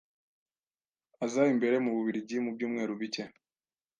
aza imbere mu Bubiligi mu byumweru bike.